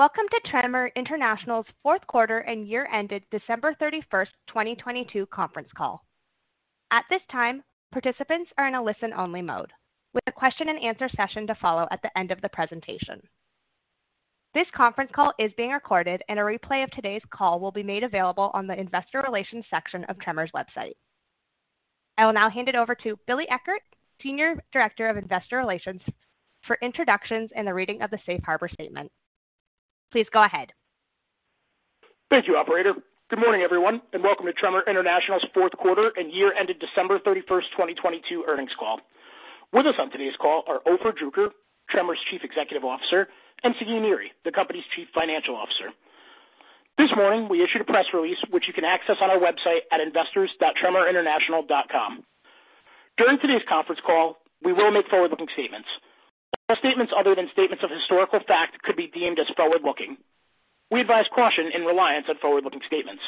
Welcome to Tremor International's fourth quarter and year-ended December 31st, 2022 conference call. At this time, participants are in a listen-only mode, with a question and answer session to follow at the end of the presentation. This conference call is being recorded, and a replay of today's call will be made available on the investor relations section of Tremor's website. I will now hand it over to Billy Eckert, Senior Director of Investor Relations, for introductions and the reading of the safe harbor statement. Please go ahead. Thank you, operator. Good morning, everyone. Welcome to Tremor International's fourth quarter and year ended December 31, 2022 earnings call. With us on today's call are Ofer Druker, Tremor's Chief Executive Officer, and Sagi Niri, the company's Chief Financial Officer. This morning, we issued a press release which you can access on our website at investors.tremorinternational.com. During today's conference call, we will make forward-looking statements. Our statements other than statements of historical fact could be deemed as forward-looking. We advise caution in reliance on forward-looking statements.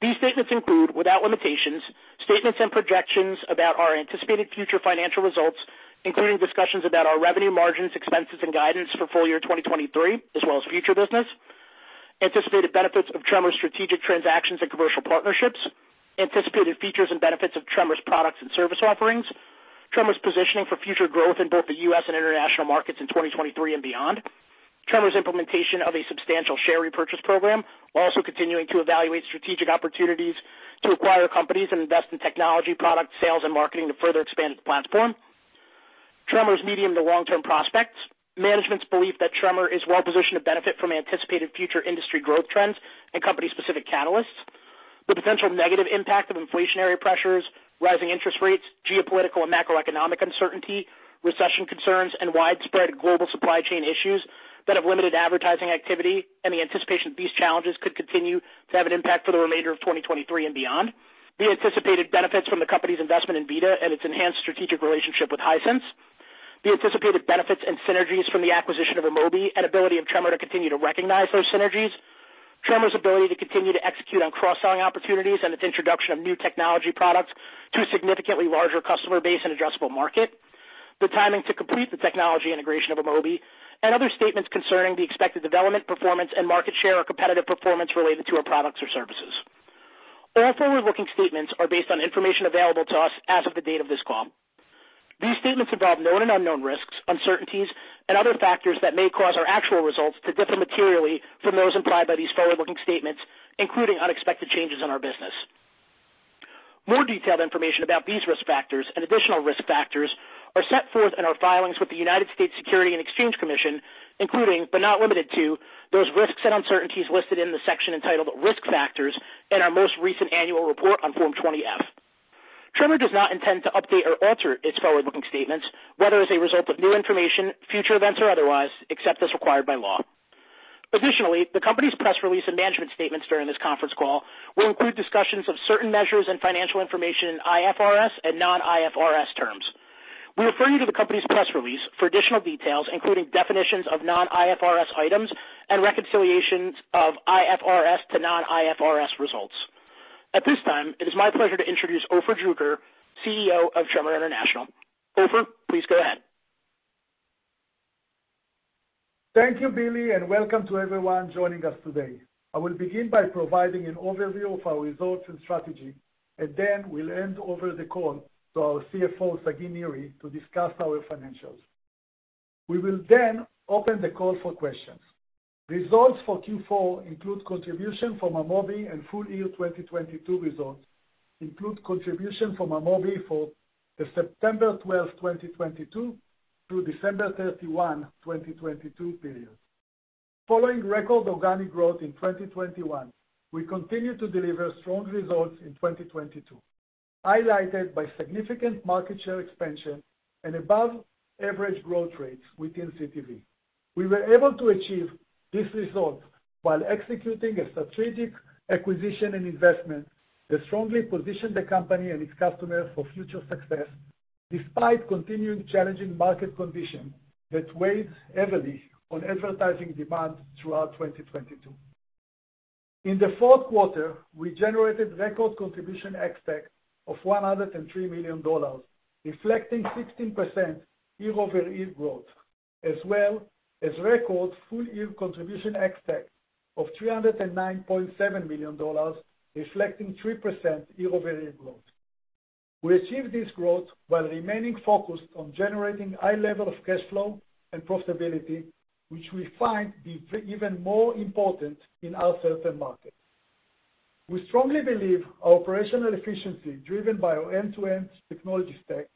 These statements include, without limitation, statements and projections about our anticipated future financial results, including discussions about our revenue margins, expenses, and guidance for full year 2023, as well as future business. Anticipated benefits of Tremor's strategic transactions and commercial partnerships. Anticipated features and benefits of Tremor's products and service offerings. Tremor's positioning for future growth in both the U.S. and international markets in 2023 and beyond. Tremor's implementation of a substantial share repurchase program, while also continuing to evaluate strategic opportunities to acquire companies and invest in technology, product sales and marketing to further expand its platform. Tremor's medium to long-term prospects. Management's belief that Tremor is well-positioned to benefit from anticipated future industry growth trends and company-specific catalysts. The potential negative impact of inflationary pressures, rising interest rates, geopolitical and macroeconomic uncertainty, recession concerns, and widespread global supply chain issues that have limited advertising activity, and the anticipation that these challenges could continue to have an impact for the remainder of 2023 and beyond. The anticipated benefits from the company's investment in VIDAA and its enhanced strategic relationship with Hisense. The anticipated benefits and synergies from the acquisition of Amobee and ability of Tremor to continue to recognize those synergies. Tremor's ability to continue to execute on cross-selling opportunities and its introduction of new technology products to a significantly larger customer base and addressable market. Other statements concerning the expected development, performance and market share or competitive performance related to our products or services. All forward-looking statements are based on information available to us as of the date of this call. These statements involve known and unknown risks, uncertainties, and other factors that may cause our actual results to differ materially from those implied by these forward-looking statements, including unexpected changes in our business. More detailed information about these risk factors and additional risk factors are set forth in our filings with the United States Securities and Exchange Commission, including, but not limited to, those risks and uncertainties listed in the section entitled Risk Factors in our most recent annual report on Form 20-F. Tremor does not intend to update or alter its forward-looking statements, whether as a result of new information, future events or otherwise, except as required by law. Additionally, the company's press release and management statements during this conference call will include discussions of certain measures and financial information in IFRS and non-IFRS terms. We refer you to the company's press release for additional details, including definitions of non-IFRS items and reconciliations of IFRS to non-IFRS results. At this time, it is my pleasure to introduce Ofer Druker, CEO of Tremor International. Ofer, please go ahead. Thank you, Billy, and welcome to everyone joining us today. I will begin by providing an overview of our results and strategy, and then we'll hand over the call to our CFO, Sagi Niri, to discuss our financials. We will open the call for questions. Results for Q4 include contribution from Amobee and full year 2022 results include contribution from Amobee for the September 12th, 2022 to December 31st, 2022 period. Following record organic growth in 2021, we continued to deliver strong results in 2022, highlighted by significant market share expansion and above average growth rates within CTV. We were able to achieve this result while executing a strategic acquisition and investment that strongly positioned the company and its customers for future success, despite continuing challenging market conditions that weighed heavily on advertising demand throughout 2022. In the fourth quarter, we generated record Contribution ex-TAC of $103 million, reflecting 16% year-over-year growth, as well as record full year Contribution ex-TAC of $309.7 million, reflecting 3% year-over-year growth. We achieved this growth while remaining focused on generating high level of cash flow and profitability, which we find be even more important in uncertain markets. We strongly believe our operational efficiency, driven by our end-to-end technology stack,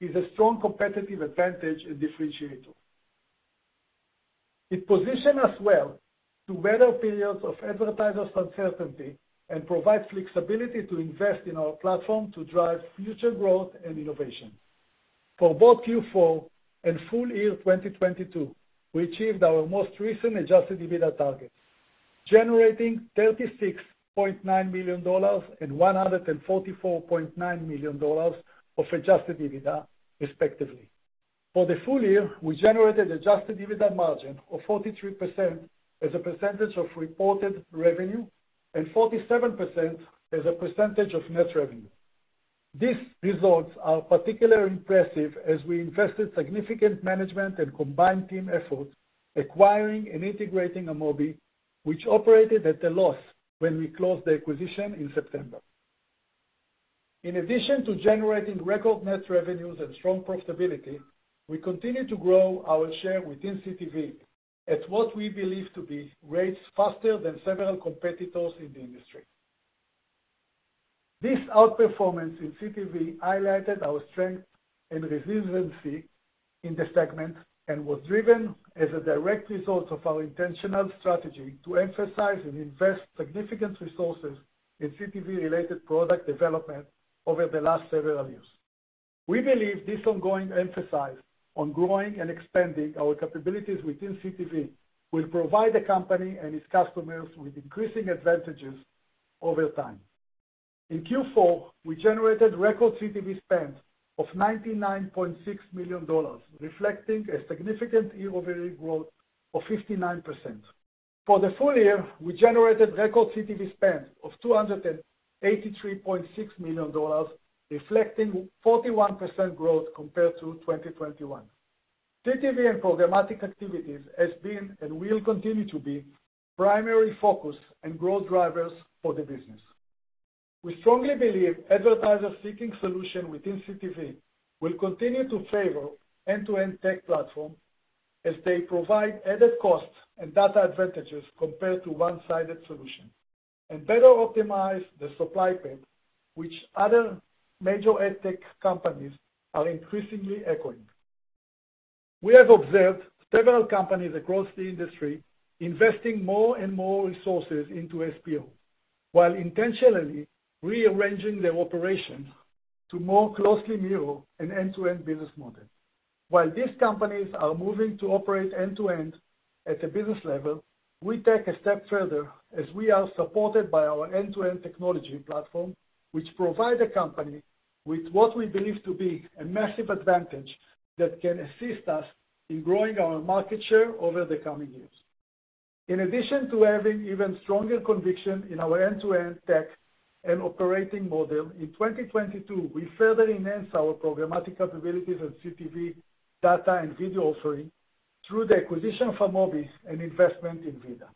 is a strong competitive advantage and differentiator. It position us well to weather periods of advertisers' uncertainty and provide flexibility to invest in our platform to drive future growth and innovation. For both Q4 and full year 2022, we achieved our most recent Adjusted EBITDA targets, generating $36.9 million and $144.9 million of Adjusted EBITDA, respectively. For the full year, we generated Adjusted EBITDA margin of 43% as a percentage of reported revenue and 47% as a percentage of net revenue. These results are particularly impressive as we invested significant management and combined team effort acquiring and integrating Amobee, which operated at a loss when we closed the acquisition in September. In addition to generating record net revenues and strong profitability, we continue to grow our share within CTV at what we believe to be rates faster than several competitors in the industry. This outperformance in CTV highlighted our strength and resiliency in the segment and was driven as a direct result of our intentional strategy to emphasize and invest significant resources in CTV-related product development over the last several years. We believe this ongoing emphasis on growing and expanding our capabilities within CTV will provide the company and its customers with increasing advantages over time. In Q4, we generated record CTV spend of $99.6 million, reflecting a significant year-over-year growth of 59%. For the full year, we generated record CTV spend of $283.6 million, reflecting 41% growth compared to 2021. CTV and programmatic activities has been and will continue to be primary focus and growth drivers for the business. We strongly believe advertisers seeking solution within CTV will continue to favor end-to-end tech platform as they provide added cost and data advantages compared to one-sided solution, and better optimize the supply chain, which other major ad tech companies are increasingly echoing. We have observed several companies across the industry investing more and more resources into SPO, while intentionally rearranging their operations to more closely mirror an end-to-end business model. While these companies are moving to operate end-to-end at a business level, we take a step further as we are supported by our end-to-end technology platform, which provide the company with what we believe to be a massive advantage that can assist us in growing our market share over the coming years. In addition to having even stronger conviction in our end-to-end tech and operating model, in 2022, we further enhanced our programmatic capabilities and CTV data and video offering through the acquisition of Amobee and investment in VIDAA.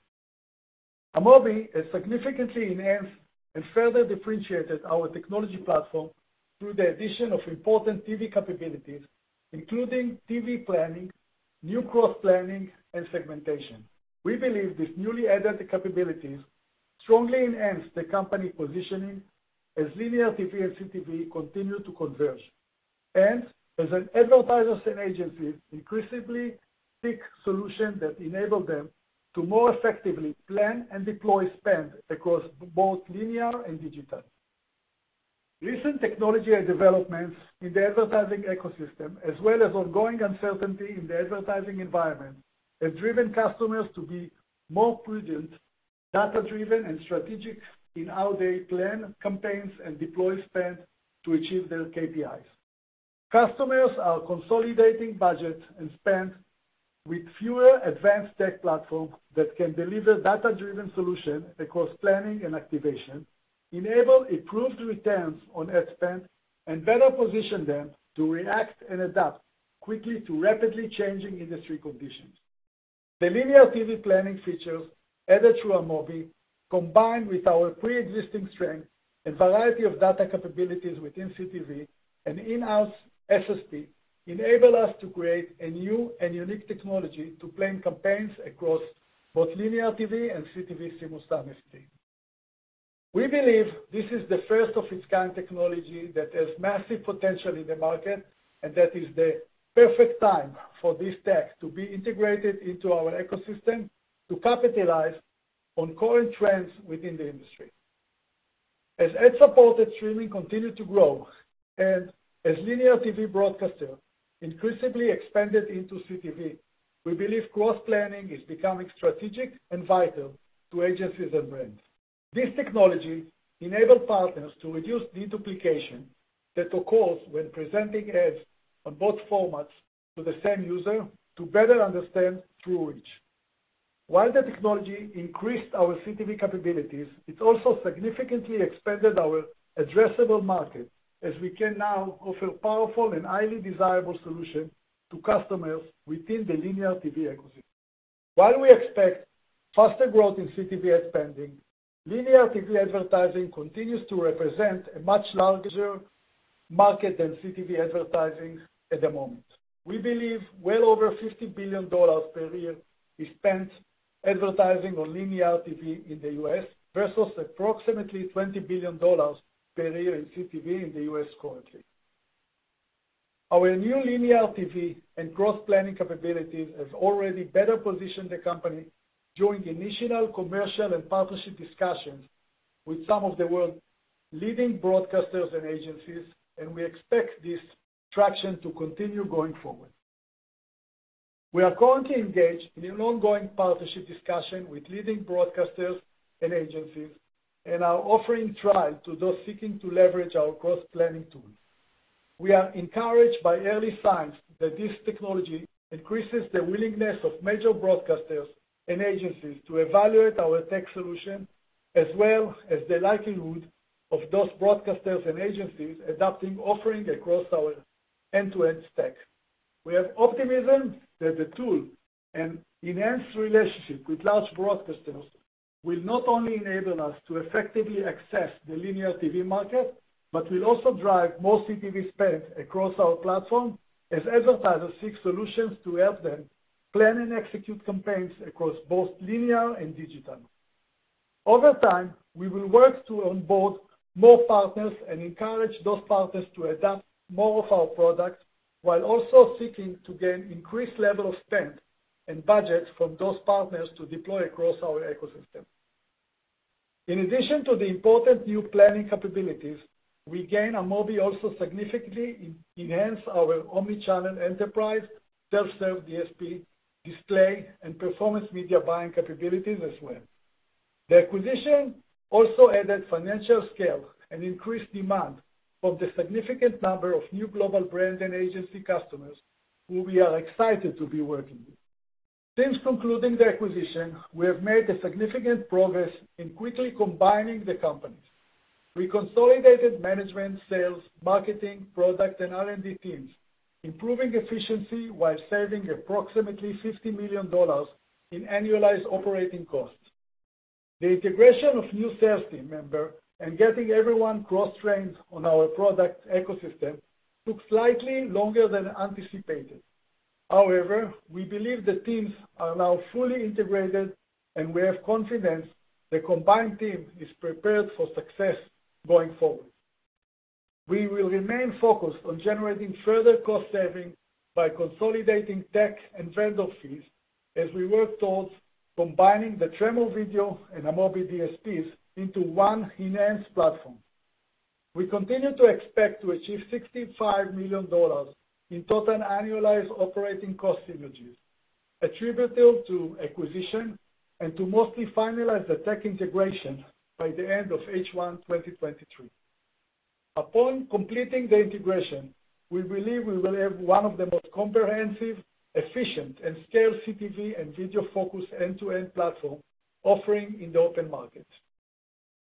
Amobee has significantly enhanced and further differentiated our technology platform through the addition of important TV capabilities, including TV planning, new cross planning and segmentation. We believe these newly added capabilities strongly enhance the company positioning as linear TV and CTV continue to converge, and as advertisers and agencies increasingly seek solutions that enable them to more effectively plan and deploy spend across both linear and digital. Recent technology and developments in the advertising ecosystem, as well as ongoing uncertainty in the advertising environment, have driven customers to be more prudent, data-driven, and strategic in how they plan campaigns and deploy spends to achieve their KPIs. Customers are consolidating budgets and spend with fewer advanced tech platforms that can deliver data-driven solution across planning and activation, enable improved returns on ad spend, and better position them to react and adapt quickly to rapidly changing industry conditions. The linear TV planning features added through Amobee, combined with our preexisting strength and variety of data capabilities within CTV and in-house SSP, enable us to create a new and unique technology to plan campaigns across both linear TV and CTV simultaneously. That is the first of its kind technology that has massive potential in the market, and that is the perfect time for this tech to be integrated into our ecosystem to capitalize on current trends within the industry. As ad-supported streaming continue to grow and as linear TV broadcasters increasingly expanded into CTV, we believe cross-planning is becoming strategic and vital to agencies and brands. This technology enable partners to reduce deduplication that occurs when presenting ads on both formats to the same user to better understand true reach. While the technology increased our CTV capabilities, it also significantly expanded our addressable market as we can now offer powerful and highly desirable solution to customers within the linear TV ecosystem. While we expect faster growth in CTV ad spending, linear TV advertising continues to represent a much larger market than CTV advertising at the moment. We believe well over $50 billion per year is spent advertising on linear TV in the U.S., versus approximately $20 billion per year in CTV in the U.S. currently. Our new linear TV and cross-planning capabilities has already better positioned the company during initial commercial and partnership discussions with some of the world leading broadcasters and agencies. We expect this traction to continue going forward. We are currently engaged in an ongoing partnership discussion with leading broadcasters and agencies, and are offering trial to those seeking to leverage our cross-planning tool. We are encouraged by early signs that this technology increases the willingness of major broadcasters and agencies to evaluate our tech solution, as well as the likelihood of those broadcasters and agencies adopting offering across our end-to-end tech. We have optimism that the tool and enhanced relationship with large broadcasters will not only enable us to effectively access the linear TV market, but will also drive more CTV spend across our platform as advertisers seek solutions to help them plan and execute campaigns across both linear and digital. Over time, we will work to onboard more partners and encourage those partners to adopt more of our products while also seeking to gain increased level of spend and budget from those partners to deploy across our ecosystem. In addition to the important new planning capabilities, we gain Amobee also significantly enhance our omni-channel enterprise, self-serve DSP, display, and performance media buying capabilities as well. The acquisition also added financial scale and increased demand from the significant number of new global brand and agency customers who we are excited to be working with. Since concluding the acquisition, we have made significant progress in quickly combining the companies. We consolidated management, sales, marketing, product and R&D teams, improving efficiency while saving approximately $50 million in annualized operating costs. The integration of new sales team member and getting everyone cross-trained on our product ecosystem took slightly longer than anticipated. However, we believe the teams are now fully integrated, and we have confidence the combined team is prepared for success going forward. We will remain focused on generating further cost saving by consolidating tech and vendor fees as we work towards combining the Tremor Video and Amobee DSPs into one enhanced platform. We continue to expect to achieve $65 million in total annualized operating cost synergies attributable to acquisition and to mostly finalize the tech integration by the end of H1, 2023. Upon completing the integration, we believe we will have one of the most comprehensive, efficient, and scaled CTV and video-focused end-to-end platform offering in the open market.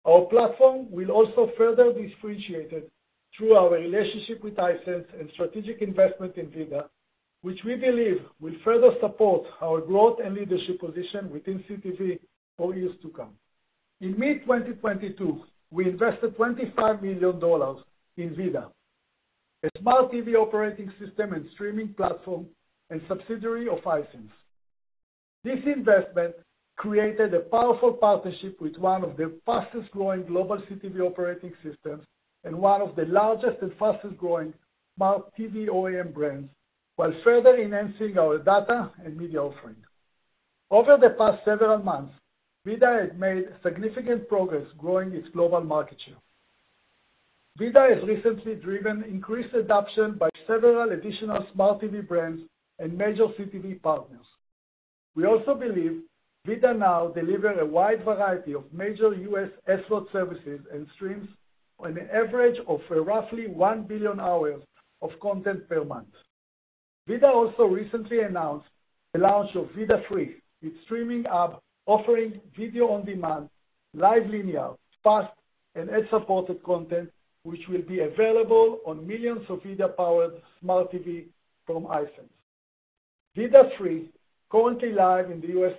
Our platform will also further differentiated through our relationship with Hisense and strategic investment in VIDAA, which we believe will further support our growth and leadership position within CTV for years to come. In May 2022, we invested $25 million in VIDAA, a smart TV operating system and streaming platform and subsidiary of Hisense. This investment created a powerful partnership with one of the fastest-growing global CTV operating systems and one of the largest and fastest-growing smart TV OEM brands, while further enhancing our data and media offering. Over the past several months, VIDAA has made significant progress growing its global market share. VIDAA has recently driven increased adoption by several additional smart TV brands and major CTV partners. We also believe VIDAA now deliver a wide variety of major U.S. SVOD services and streams on an average of roughly 1 billion hours of content per month. VIDAA also recently announced the launch of VIDAA Free, its streaming app offering video-on-demand, live linear, FAST, and ad-supported content, which will be available on millions of VIDAA-powered smart TV from Hisense. VIDAA Free currently live in the U.S.,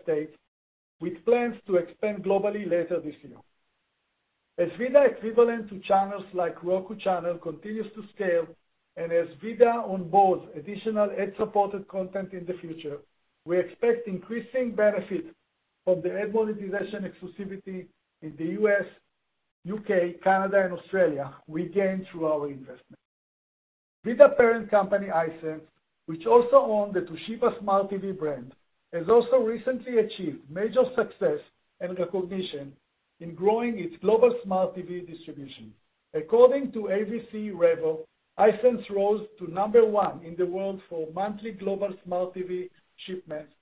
with plans to expand globally later this year. As VIDAA equivalent to channels like The Roku Channel continues to scale, and as VIDAA onboards additional ad-supported content in the future, we expect increasing benefit from the ad monetization exclusivity in the U.S., U.K., Canada, and Australia we gained through our investment. VIDAA parent company, Hisense, which also own the Toshiba Smart TV brand, has also recently achieved major success and recognition in growing its global smart TV distribution. According to AVC Revo, Hisense rose to number one in the world for monthly global smart TV shipments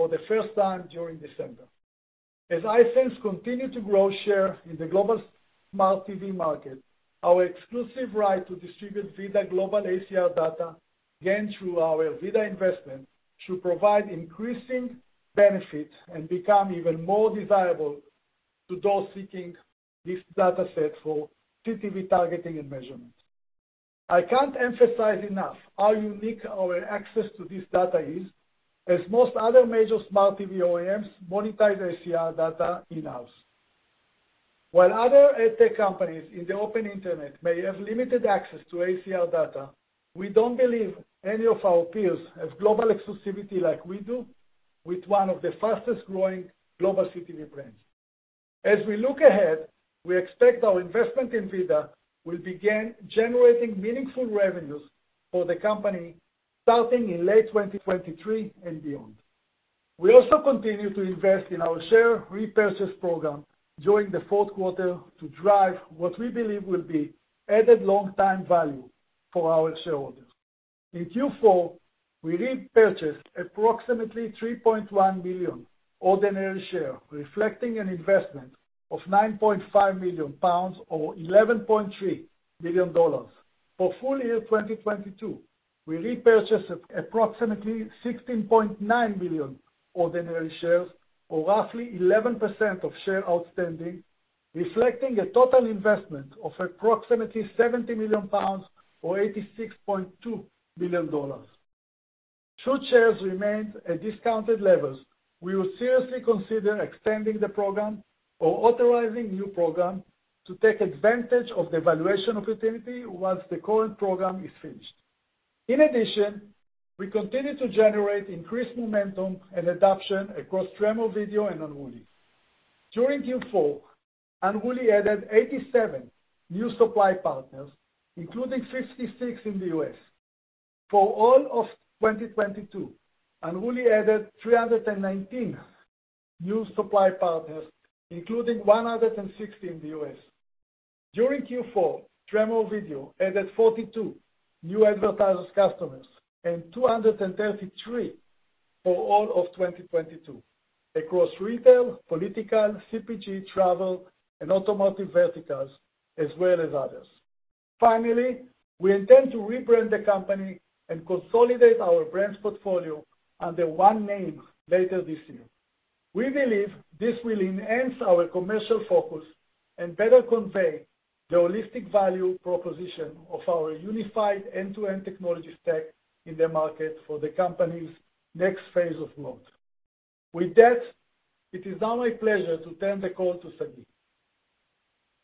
for the first time during December. As Hisense continue to grow share in the global smart TV market, our exclusive right to distribute VIDAA global ACR data, again through our VIDAA investment, should provide increasing benefits and become even more desirable to those seeking this data set for CTV targeting and measurement. I can't emphasize enough how unique our access to this data is, as most other major smart TV OEMs monetize their ACR data in-house. While other ad tech companies in the open internet may have limited access to ACR data, we don't believe any of our peers has global exclusivity like we do with one of the fastest-growing global CTV brands. As we look ahead, we expect our investment in VIDAA will begin generating meaningful revenues for the company starting in late 2023 and beyond. We also continue to invest in our share repurchase program during the fourth quarter to drive what we believe will be added long time value for our shareholders. In Q4, we repurchased approximately 3.1 million ordinary share, reflecting an investment of 9.5 million pounds, or $11.3 million. For full year 2022, we repurchased approximately 16.9 million ordinary shares, or roughly 11% of share outstanding, reflecting a total investment of approximately 70 million pounds or $86.2 million. Should shares remain at discounted levels, we will seriously consider extending the program or authorizing new program to take advantage of the valuation opportunity once the current program is finished. In addition, we continue to generate increased momentum and adoption across Tremor Video and Unruly. During Q4, Unruly added 87 new supply partners, including 56 in the U.S. For all of 2022, Unruly added 319 new supply partners, including 160 in the U.S. During Q4, Tremor Video added 42 new advertisers customers, 233 for all of 2022 across retail, political, CPG, travel, and automotive verticals, as well as others. We intend to rebrand the company and consolidate our brands portfolio under one name later this year. We believe this will enhance our commercial focus and better convey the holistic value proposition of our unified end-to-end technology stack in the market for the company's next phase of growth. With that, it is now my pleasure to turn the call to Sagi.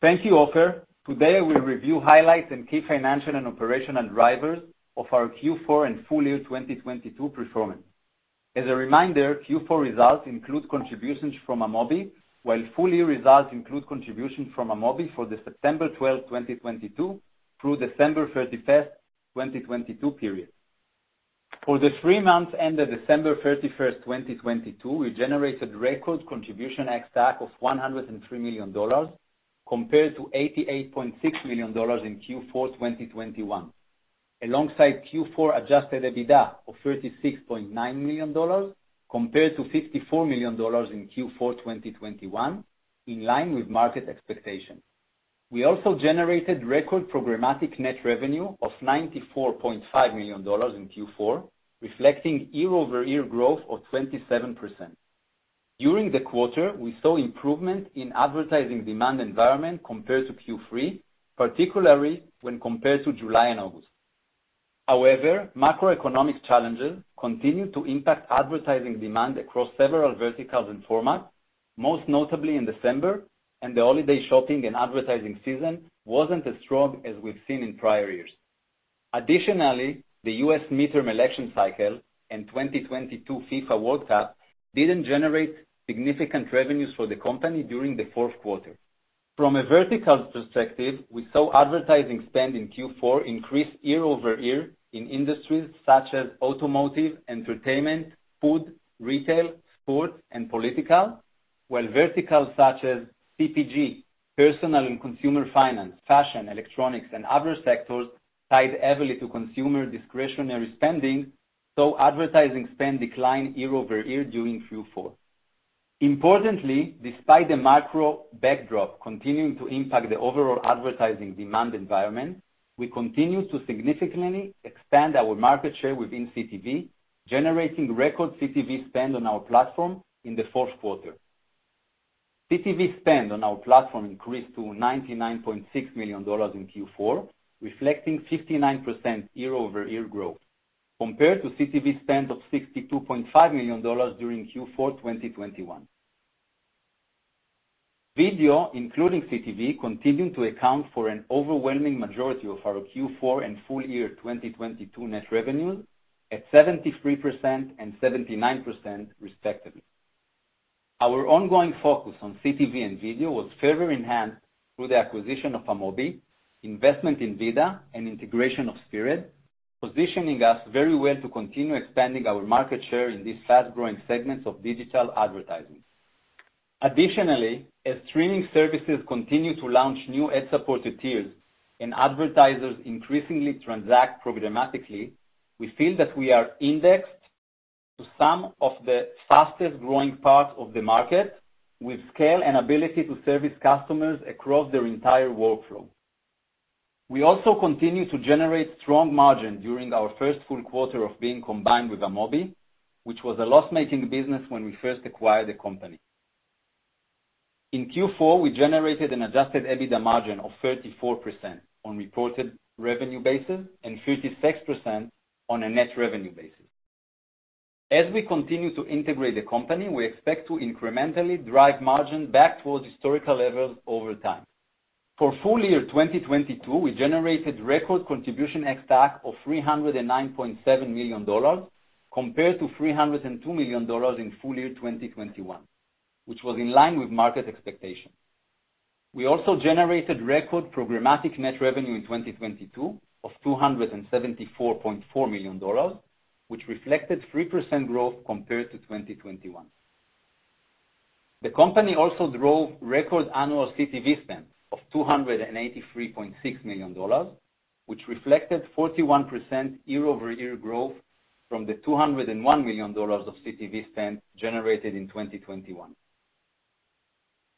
Thank you, Ofer. Today, we review highlights and key financial and operational drivers of our Q4 and full year 2022 performance. As a reminder, Q4 results include contributions from Amobee, while full year results include contributions from Amobee for the September 12th, 2022 through December 31st, 2022 period. For the three months ended December 31st, 2022, we generated record Contribution ex-TAC of $103 million compared to $88.6 million in Q4 2021. Alongside Q4 Adjusted EBITDA of $36.9 million compared to $54 million in Q4 2021, in line with market expectations. We also generated record programmatic net revenue of $94.5 million in Q4, reflecting year-over-year growth of 27%. During the quarter, we saw improvement in advertising demand environment compared to Q3, particularly when compared to July and August. Macroeconomic challenges continued to impact advertising demand across several verticals and formats, most notably in December, and the holiday shopping and advertising season wasn't as strong as we've seen in prior years. The U.S. midterm election cycle and 2022 FIFA World Cup didn't generate significant revenues for the company during the fourth quarter. We saw advertising spend in Q4 increase year-over-year in industries such as automotive, entertainment, food, retail, sports, and political. Verticals such as CPG, personal and consumer finance, fashion, electronics, and other sectors tied heavily to consumer discretionary spending, saw advertising spend decline year-over-year during Q4. Despite the macro backdrop continuing to impact the overall advertising demand environment, we continue to significantly expand our market share within CTV, generating record CTV spend on our platform in the fourth quarter. CTV spend on our platform increased to $99.6 million in Q4, reflecting 59% year-over-year growth, compared to CTV spend of $62.5 million during Q4 2021. Video, including CTV, continuing to account for an overwhelming majority of our Q4 and full year 2022 net revenues at 73% and 79%, respectively. Our ongoing focus on CTV and video was further enhanced through the acquisition of Amobee, investment in VIDAA, and integration of Spirit, positioning us very well to continue expanding our market share in these fast-growing segments of digital advertising. Additionally, as streaming services continue to launch new ad-supported tiers and advertisers increasingly transact programmatically, we feel that we are indexed to some of the fastest-growing parts of the market with scale and ability to service customers across their entire workflow. We also continue to generate strong margin during our first full quarter of being combined with Amobee, which was a loss-making business when we first acquired the company. In Q4, we generated an Adjusted EBITDA margin of 34% on reported revenue basis and 36% on a net revenue basis. As we continue to integrate the company, we expect to incrementally drive margin back towards historical levels over time. For full year 2022, we generated record Contribution ex-TAC of $309.7 million compared to $302 million in full year 2021, which was in line with market expectations. We also generated record programmatic net revenue in 2022 of $274.4 million, which reflected 3% growth compared to 2021. The company also drove record annual CTV spend of $283.6 million, which reflected 41% year-over-year growth from the $201 million of CTV spend generated in 2021.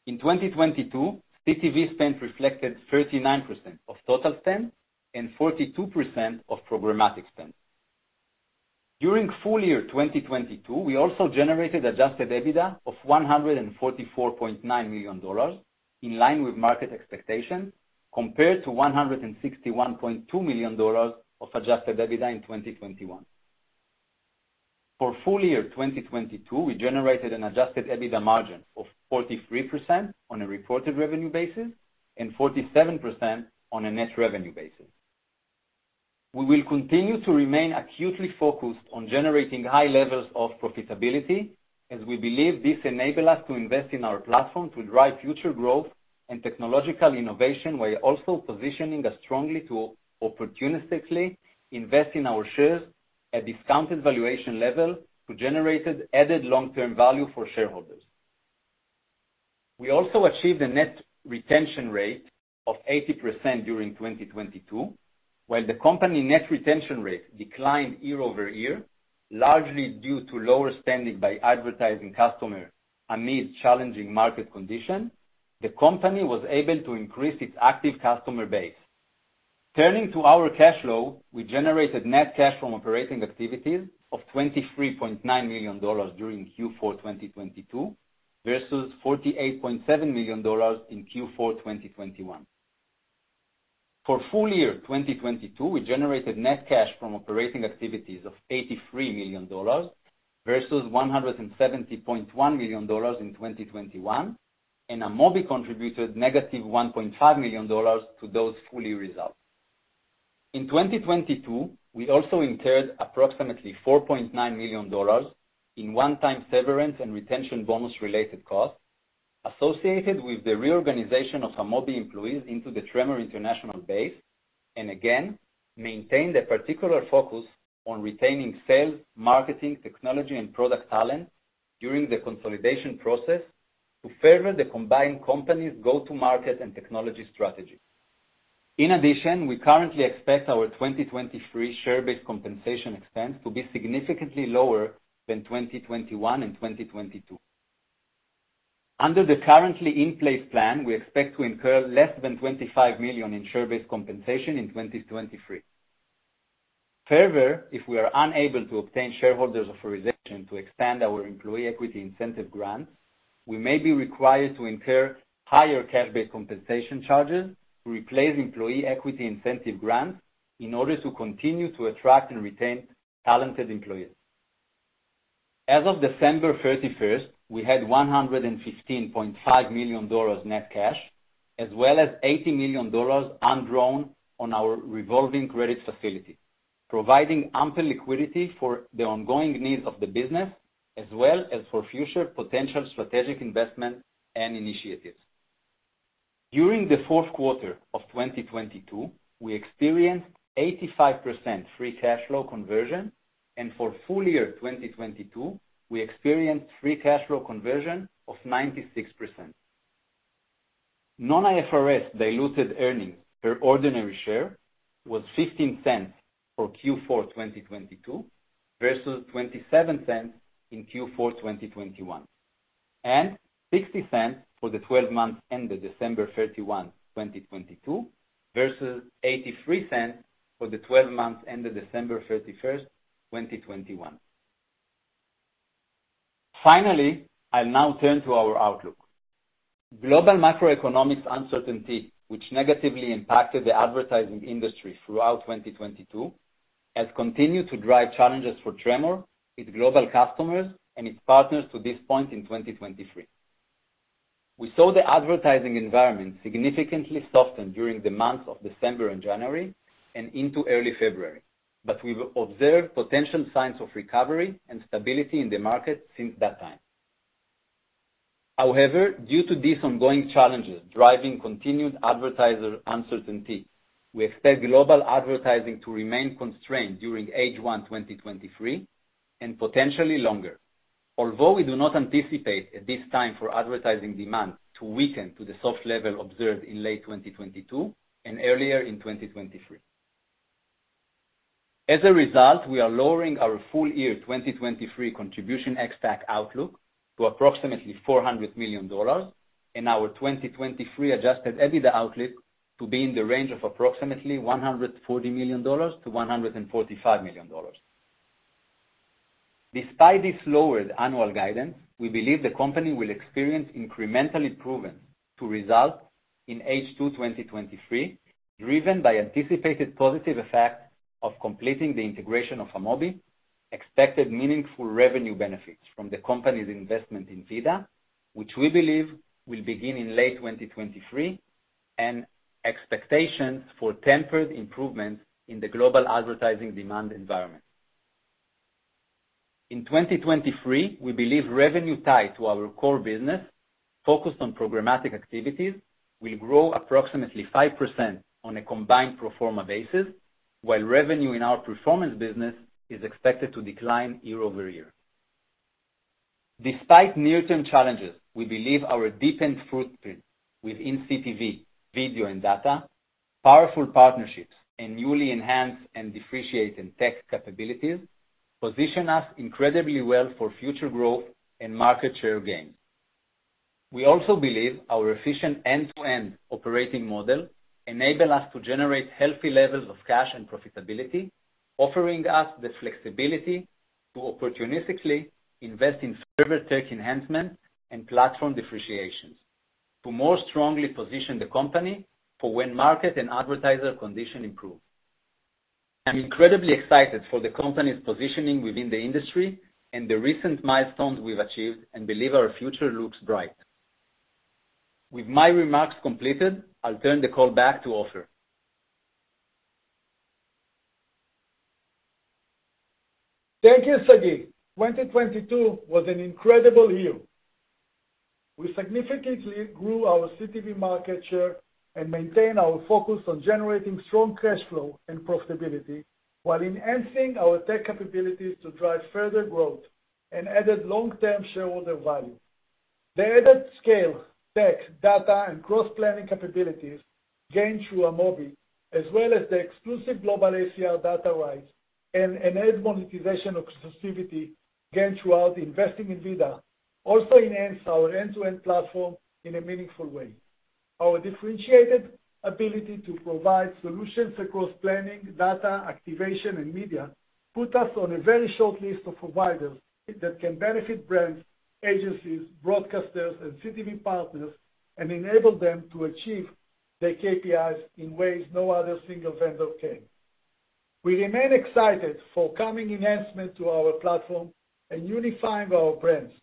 In 2022, CTV spend reflected 39% of total spend and 42% of programmatic spend. During full year 2022, we also generated Adjusted EBITDA of $144.9 million in line with market expectations, compared to $161.2 million of Adjusted EBITDA in 2021. For full year 2022, we generated an Adjusted EBITDA margin of 43% on a reported revenue basis and 47% on a net revenue basis. We will continue to remain acutely focused on generating high levels of profitability as we believe this enable us to invest in our platform to drive future growth and technological innovation, while also positioning us strongly to opportunistically invest in our shares at discounted valuation level to generate added long-term value for shareholders. We also achieved a net retention rate of 80% during 2022. While the company net retention rate declined year-over-year, largely due to lower spending by advertising customer amid challenging market condition, the company was able to increase its active customer base. Turning to our cash flow, we generated net cash from operating activities of $23.9 million during Q4 2022 versus $48.7 million in Q4 2021. For full year 2022, we generated net cash from operating activities of $83 million versus $170.1 million in 2021. Amobee contributed negative $1.5 million to those full year results. In 2022, we also incurred approximately $4.9 million in one-time severance and retention bonus-related costs associated with the reorganization of Amobee employees into the Tremor International base, and again, maintained a particular focus on retaining sales, marketing, technology, and product talent during the consolidation process to further the combined companies go-to-market and technology strategy. We currently expect our 2023 share-based compensation expense to be significantly lower than 2021 and 2022. Under the currently in place plan, we expect to incur less than $25 million in share-based compensation in 2023. Further, if we are unable to obtain shareholders authorization to expand our employee equity incentive grants, we may be required to incur higher cash-based compensation charges to replace employee equity incentive grants in order to continue to attract and retain talented employees. As of December 31st, we had $115.5 million net cash, as well as $80 million undrawn on our revolving credit facility, providing ample liquidity for the ongoing needs of the business, as well as for future potential strategic investment and initiatives. During the fourth quarter of 2022, we experienced 85% free cash flow conversion. For full year 2022, we experienced free cash flow conversion of 96%. Non-IFRS diluted earnings per ordinary share was $0.15 for Q4 2022 versus $0.27 in Q4 2021, and $0.60 for the 12 months ended December 31, 2022 versus $0.83 for the 12 months ended December 31, 2021. I'll now turn to our outlook. Global macroeconomics uncertainty, which negatively impacted the advertising industry throughout 2022, has continued to drive challenges for Tremor, its global customers, and its partners to this point in 2023. We saw the advertising environment significantly soften during the months of December and January and into early February, we've observed potential signs of recovery and stability in the market since that time. Due to these ongoing challenges driving continued advertiser uncertainty, we expect global advertising to remain constrained during H1 2023 and potentially longer. Although we do not anticipate at this time for advertising demand to weaken to the soft level observed in late 2022 and earlier in 2023. As a result, we are lowering our full year 2023 contribution ex-TAC outlook to approximately $400 million in our 2023 Adjusted EBITDA outlook to be in the range of approximately $140 million-$145 million. Despite this lowered annual guidance, we believe the company will experience incremental improvement to result in H2 2023, driven by anticipated positive effect of completing the integration of Amobee, expected meaningful revenue benefits from the company's investment in VIDAA, which we believe will begin in late 2023, and expectations for tempered improvements in the global advertising demand environment. In 2023, we believe revenue tied to our core business focused on programmatic activities will grow approximately 5% on a combined pro forma basis. While revenue in our performance business is expected to decline year-over-year. Despite near-term challenges, we believe our deepened footprint within CTV, video and data, powerful partnerships, and newly enhanced and differentiated tech capabilities position us incredibly well for future growth and market share gain. We also believe our efficient end-to-end operating model enable us to generate healthy levels of cash and profitability, offering us the flexibility to opportunistically invest in further tech enhancement and platform differentiations to more strongly position the company for when market and advertiser conditions improve. I'm incredibly excited for the company's positioning within the industry and the recent milestones we've achieved, and believe our future looks bright. With my remarks completed, I'll turn the call back to Ofer. Thank you, Sagi. 2022 was an incredible year. We significantly grew our CTV market share and maintained our focus on generating strong cash flow and profitability, while enhancing our tech capabilities to drive further growth and added long-term shareholder value. The added scale, tech, data, and cross-planning capabilities gained through Amobee, as well as the exclusive global ACR data rights and enhanced monetization exclusivity gained throughout investing in VIDAA, also enhanced our end-to-end platform in a meaningful way. Our differentiated ability to provide solutions across planning, data, activation, and media put us on a very short list of providers that can benefit brands, agencies, broadcasters, and CTV partners, and enable them to achieve their KPIs in ways no other single vendor can. We remain excited for coming enhancements to our platform and unifying our brands,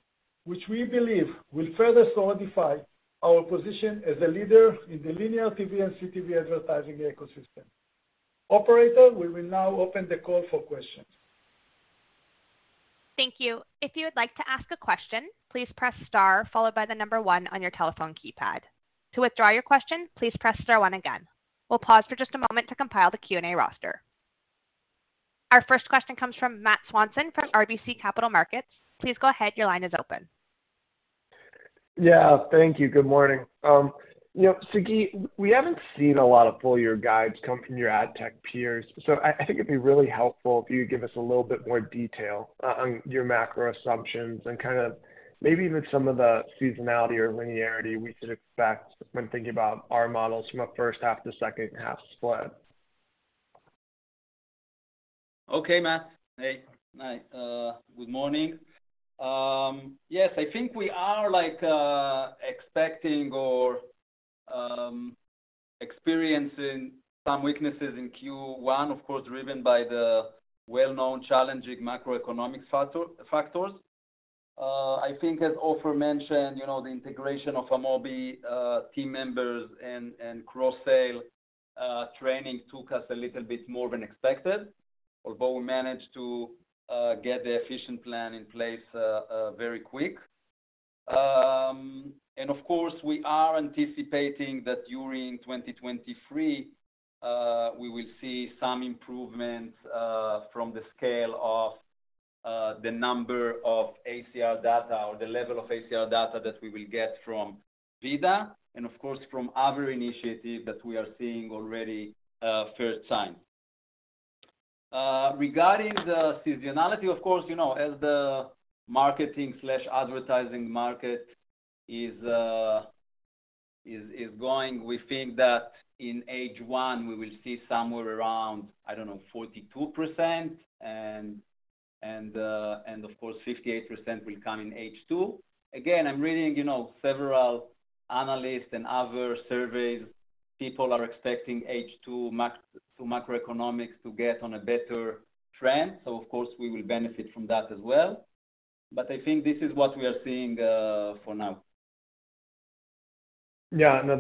which we believe will further solidify our position as a leader in the linear TV and CTV advertising ecosystem. Operator, we will now open the call for questions. Thank you. If you would like to ask a question, please press star followed by the number one on your telephone keypad. To withdraw your question, please press star one again. We'll pause for just a moment to compile the Q&A roster. Our first question comes from Matthew Swanson from RBC Capital Markets. Please go ahead. Your line is open. Yeah, thank you. Good morning. Sagi, we haven't seen a lot of full year guides come from your ad tech peers, so I think it'd be really helpful if you could give us a little bit more detail on your macro assumptions and kind of maybe even some of the seasonality or linearity we should expect when thinking about our models from a first half to second half split. Okay, Matt. Hey. Hi. Good morning. Yes, I think we are like expecting or experiencing some weaknesses in Q1, of course, driven by the well-known challenging macroeconomic factors. I think as Ofer mentioned, you know, the integration of Amobee team members and cross-sale training took us a little bit more than expected. Although we managed to get the efficient plan in place very quick. Of course, we are anticipating that during 2023, we will see some improvement from the scale of the number of ACR data or the level of ACR data that we will get from VIDAA and, of course, from other initiatives that we are seeing already first time. Regarding the seasonality, of course, as the marketing/advertising market is going, we think that in H1 we will see somewhere around, I don't know, 42% and of course, 58% will come in H2. Again, I'm reading, you know, several analysts and other surveys. People are expecting H2 to macroeconomics to get on a better trend. Of course, we will benefit from that as well. I think this is what we are seeing for now. Yeah. No,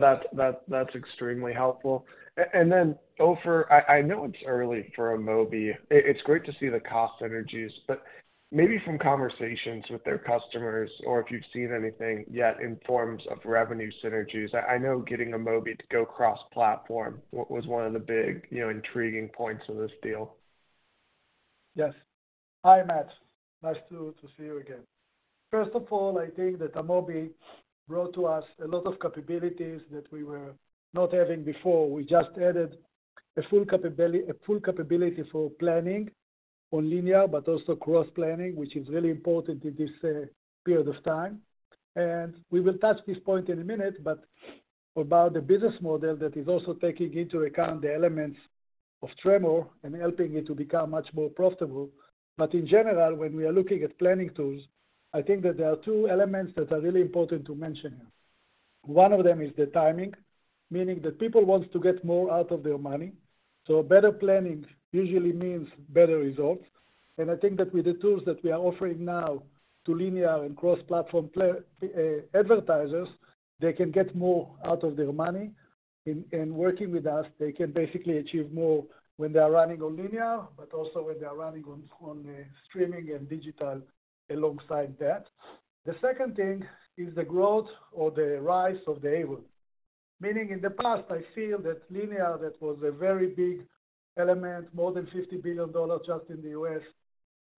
that's extremely helpful. Then Ofer, I know it's early for Amobee, it's great to see the cost synergies. Maybe from conversations with their customers or if you've seen anything yet in forms of revenue synergies, I know getting Amobee to go cross-platform what was one of the bigintriguing points of this deal. Yes. Hi, Matt. Nice to see you again. First of all, I think that Amobee brought to us a lot of capabilities that we were not having before. We just added a full capability for planning for linear but also cross-planning, which is really important in this period of time. We will touch this point in a minute, but about the business model that is also taking into account the elements of Tremor and helping it to become much more profitable. In general, when we are looking at planning tools, I think that there are two elements that are really important to mention here. One of them is the timing, meaning that people want to get more out of their money, so better planning usually means better results. I think that with the tools that we are offering now to linear and cross-platform advertisers, they can get more out of their money. In working with us, they can basically achieve more when they are running on linear, but also when they are running on streaming and digital alongside that. The second thing is the growth or the rise of the AVOD. Meaning in the past, I feel that linear, that was a very big element, more than $50 billion just in the U.S.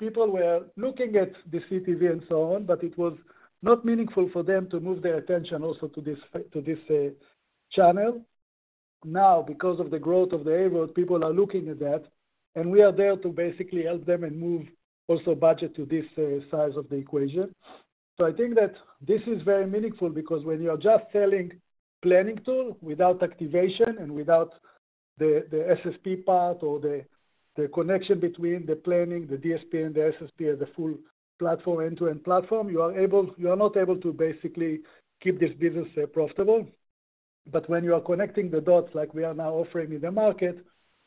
People were looking at the CTV and so on, but it was not meaningful for them to move their attention also to this channel. Now, because of the growth of the AVOD, people are looking at that, and we are there to basically help them and move also budget to this size of the equation. I think that this is very meaningful because when you are just selling planning tool without activation and without the SSP part or the connection between the planning, the DSP and the SSP as a full platform, end-to-end platform, you are not able to basically keep this business profitable. When you are connecting the dots like we are now offering in the market,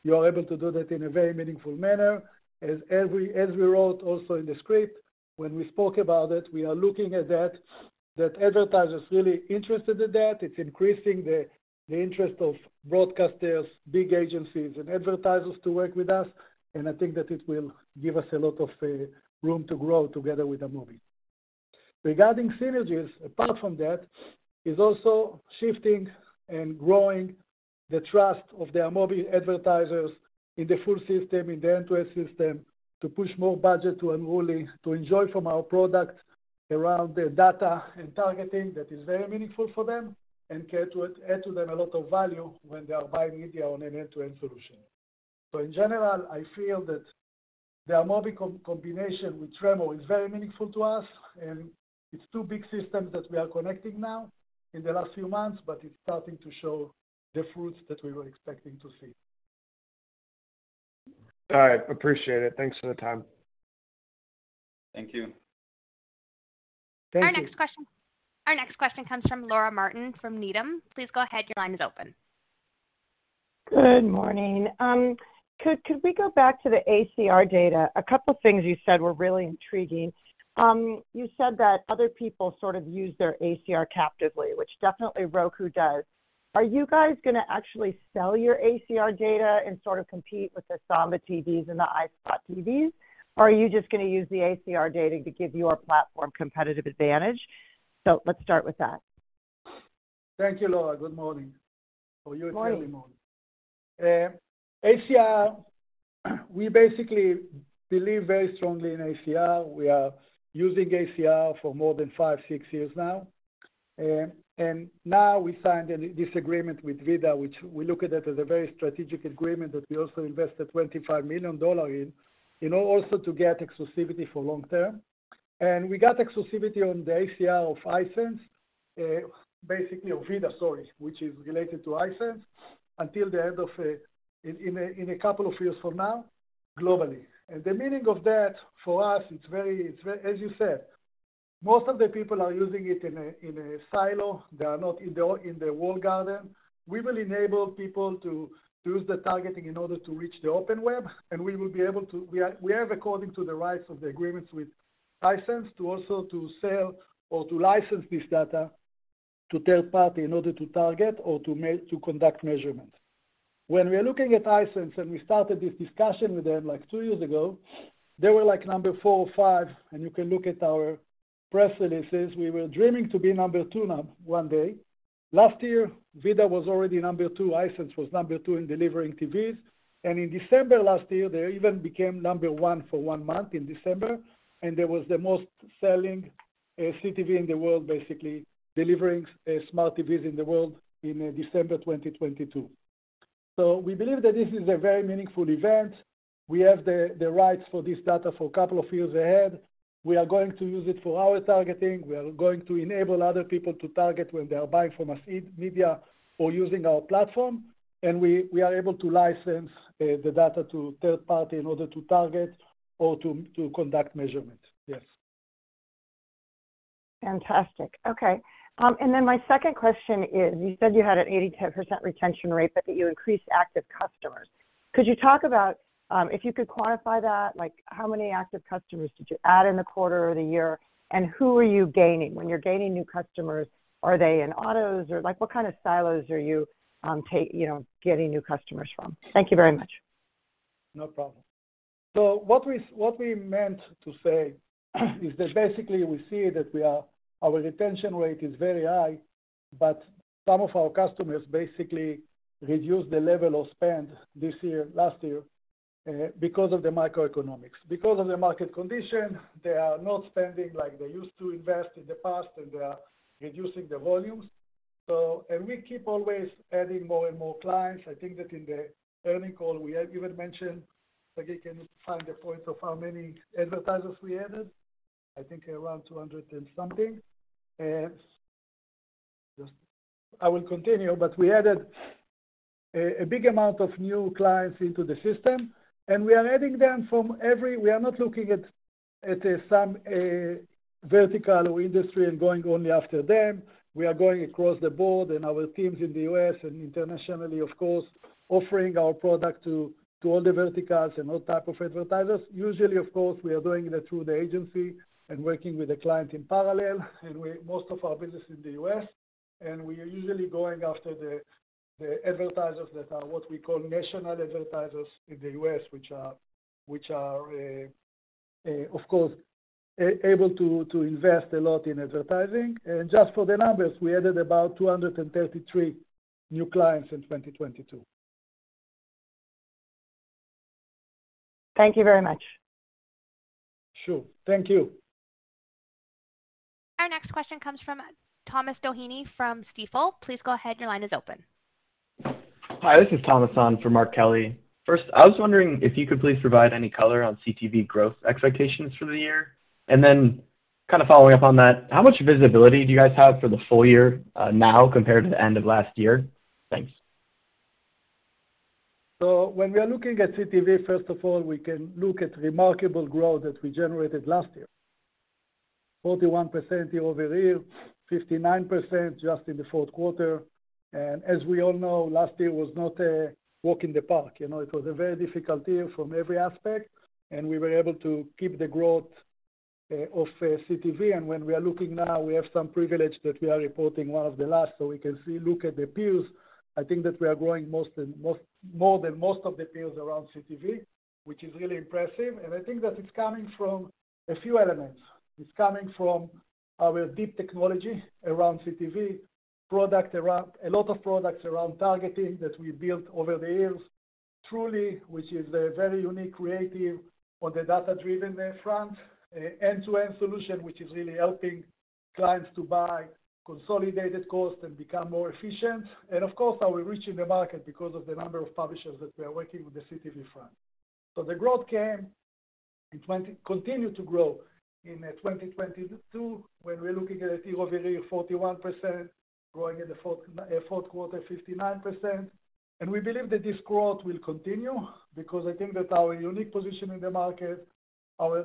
you are able to do that in a very meaningful manner. As we wrote also in the script, when we spoke about it, we are looking at that advertisers really interested in that. It's increasing the interest of broadcasters, big agencies and advertisers to work with us. I think that it will give us a lot of room to grow together with Amobee. Regarding synergies, apart from that, is also shifting and growing the trust of the Amobee advertisers in the full system, in the end-to-end system, to push more budget to Amobee, to enjoy from our product around the data and targeting that is very meaningful for them, and care to add to them a lot of value when they are buying media on an end-to-end solution. In general, I feel that the Amobee combination with Tremor is very meaningful to us, and it's two big systems that we are connecting now in the last few months, but it's starting to show the fruits that we were expecting to see. All right. Appreciate it. Thanks for the time. Thank you. Our next question comes from Laura Martin from Needham. Please go ahead. Your line is open. Good morning. Could we go back to the ACR data? A couple things you said were really intriguing. You said that other people sort of use their ACR captively, which definitely Roku does. Are you guys gonna actually sell your ACR data and sort of compete with the Samba TV and the iSpot.tv? Are you just gonna use the ACR data to give your platform competitive advantage? Let's start with that. Thank you, Laura. Good morning. Morning It's early morning. ACR, we basically believe very strongly in ACR. We are using ACR for more than five, six years now. Now we signed this agreement with VIDAA, which we look at it as a very strategic agreement that we also invested $25 million in order also to get exclusivity for long term. We got exclusivity on the ACR of iSpot.tv, basically of VIDAA, sorry, which is related to iSpot.tv, until the end of a couple of years from now, globally. The meaning of that for us, as you said, most of the people are using it in a silo. They are not in the walled garden. We will enable people to use the targeting in order to reach the open web, and we have according to the rights of the agreements with iSpot.tv to also to sell or to license this data to third party in order to target or to conduct measurement. When we are looking at iSpot.tv, we started this discussion with them, like two years ago, they were like number four or five. You can look at our press releases. We were dreaming to be number two one day. Last year, VIDAA was already number two. iSpot.tv was number two in delivering TVs. In December last year, they even became number one for one month in December. There was the most selling CTV in the world, basically delivering Smart TVs in the world in December 2022. We believe that this is a very meaningful event. We have the rights for this data for a couple of years ahead. We are going to use it for our targeting. We are going to enable other people to target when they are buying from us media or using our platform. We are able to license the data to third party in order to target or to conduct measurement. Yes. Fantastic. Okay. My second question is, you said you had an 80% retention rate, but that you increased active customers. Could you talk about, if you could quantify that, like how many active customers did you add in the quarter or the year, and who are you gaining? When you're gaining new customers, are they in autos? Like what kind of silos are you know, getting new customers from? Thank you very much. No problem. What we meant to say is that basically, we see that our retention rate is very high, but some of our customers basically reduced the level of spend this year, last year, because of the microeconomics. Because of the market condition, they are not spending like they used to invest in the past, and they are reducing the volumes. We keep always adding more and more clients. I think that in the earnings call, we have even mentioned, Sagi, can you find the point of how many advertisers we added? I think around 200 and something. I will continue, but we added a big amount of new clients into the system, and we are adding them from every. We are not looking at a some vertical or industry and going only after them. We are going across the board and our teams in the U.S. and internationally, of course, offering our product to all the verticals and all type of advertisers. Usually, of course, we are doing that through the agency and working with the client in parallel. We most of our business in the U.S., and we are usually going after the advertisers that are what we call national advertisers in the U.S., which are, which are, of course, able to invest a lot in advertising. Just for the numbers, we added about 233 new clients in 2022. Thank you very much. Sure. Thank you. Our next question comes from Thomas Doheny from Stifel. Please go ahead. Your line is open. Hi, this is Thomas on for Mark Kelley. First, I was wondering if you could please provide any color on CTV growth expectations for the year, and then kind of following up on that, how much visibility do you guys have for the full year, now compared to the end of last year? Thanks. When we are looking at CTV, first of all, we can look at remarkable growth that we generated last year. 41% year-over-year, 59% just in the fourth quarter. As we all know, last year was not a walk in the park, you know. It was a very difficult year from every aspect, and we were able to keep the growth of CTV. When we are looking now, we have some privilege that we are reporting one of the last, we can look at the peers. I think that we are growing more than most of the peers around CTV, which is really impressive. I think that it's coming from a few elements. It's coming from our deep technology around CTV, a lot of products around targeting that we built over the years, Unruly, which is a very unique creative on the data-driven front, end-to-end solution, which is really helping clients to buy consolidated cost and become more efficient. Of course, how we're reaching the market because of the number of publishers that we are working with the CTV front. The growth continued to grow in 2022, when we're looking at a year-over-year 41%, growing at the fourth quarter 59%. We believe that this growth will continue because I think that our